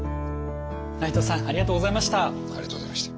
内藤さんありがとうございました。